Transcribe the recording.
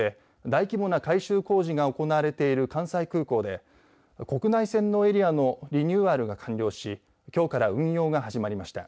大規模な改修工事が行われている関西空港で国内線のエリアのリニューアルが完了しきょうから運用が始まりました。